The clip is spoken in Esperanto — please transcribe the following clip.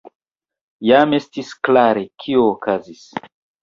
Jam estis klare, kio okazis.